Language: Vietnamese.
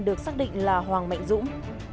được xác định là hoàng mạnh dũng